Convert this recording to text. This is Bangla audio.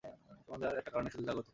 তোমাদের একটা কারণেই শুধু জাগ্রত করেছি!